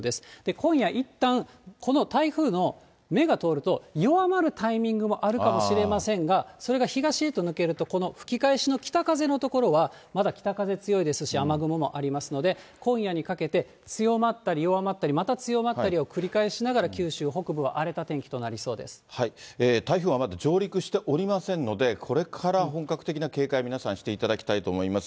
今夜、いったん、この台風の目が通ると弱まるタイミングもあると思いますし、それが東へと抜けると、この吹き返しの北風の所は、まだ北風強いですし、雨雲もありますので、今夜にかけて、強まったり弱まったり、また強まったりを繰り返しながら九州北部は荒れた天気となりそう台風はまだ上陸しておりませんので、これから本格的な警戒を皆さん、していただきたいと思います。